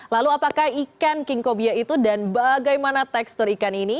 lalu apakah ikan king cobia itu dan bagaimana tekstur ikan ini